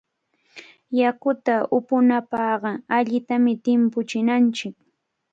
Yakuta upunapaqqa allitami timpuchinanchik.